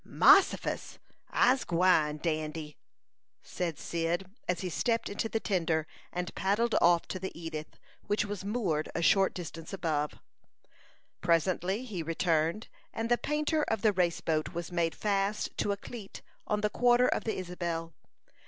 "Mossifus! I'se gwine, Dandy," said Cyd as he stepped into the tender, and paddled off to the Edith, which was moored a short distance above. Presently he returned, and the painter of the race boat was made fast to a cleat on the quarter of the Isabel.